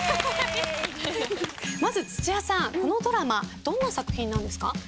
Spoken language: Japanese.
まず土屋さんこのドラマどんな作品なんですか？